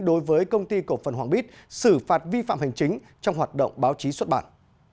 đối với công ty cổ phần hoàng bít xử phạt vi phạm hành chính trong hoạt động báo chí xuất bản